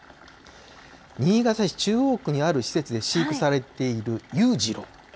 新潟市中央区にある施設で飼育されている、ゆうじろう。